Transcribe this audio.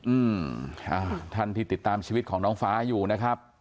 อืมอ่าท่านที่ติดตามชีวิตของน้องฟ้าอยู่นะครับ